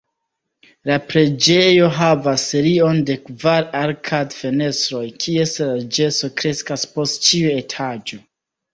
La preĝejo havas serion de kvar arkad-fenestroj kies larĝeco kreskas post ĉiu etaĝo.